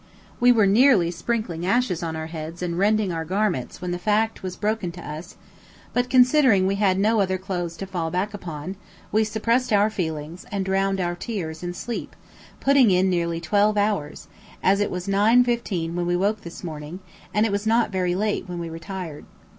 We were nearly sprinkling ashes on our heads and rending our garments when the fact was broken to us; but, considering we had no other clothes to fall back upon, we suppressed our feelings (and drowned our tears) in sleep, putting in nearly twelve hours, as it was 9.15 when we woke this morning, and it was not very late when we retired.